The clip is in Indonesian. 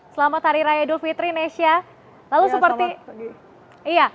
selamat hari raya idul fitri nesya